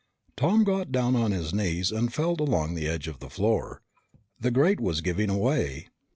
Tom got down on his knees and felt along the edge of the floor. The grate was giving way.